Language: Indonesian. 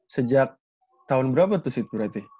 sejak tahun berapa tuh sit berarti